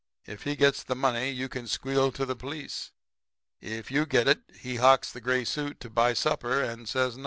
If he gets the money you can squeal to the police. If you get it he hocks the gray suit to buy supper and says nothing.